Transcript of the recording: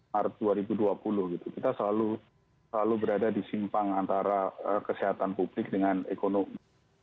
maret dua ribu dua puluh gitu kita selalu berada di simpang antara kesehatan publik dengan ekonomi